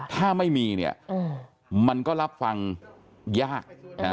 ถ้าไม่มีเนี่ยมันก็รับฟังยาก